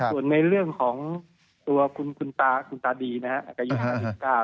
ส่วนในเรื่องของตัวคุณตาคุณตาดีนะครับอาจจะยุ่ง๒๙แล้ว